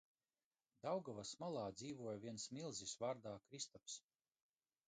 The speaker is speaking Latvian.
Daugavas malā dzīvoja viens milzis, vārdā Kristaps.